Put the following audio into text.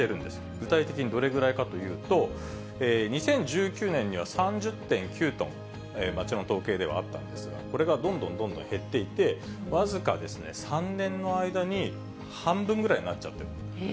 具体的にどれぐらいかというと、２０１９年には３０．９トン、町の統計ではあったんですが、これがどんどんどんどん減っていて、僅か３年の間に、半分ぐらいになっちゃってる。